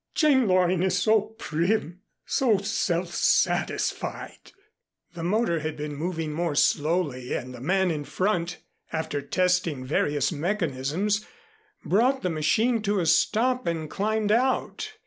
Jane Loring is so prim, so self satisfied " The motor had been moving more slowly and the man in front after testing various mechanisms, brought the machine to a stop and climbed out.